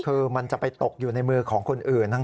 คือมันจะไปตกอยู่ในมือของคนอื่น